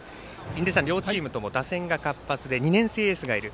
両チームとも打線が活発で２年生エースがいる。